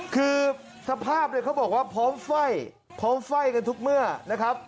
คือสภาพเนี่ยเขาบอกว่าพร้อมไฟ่พร้อมไฟ่กันทุกเมื่อนะครับ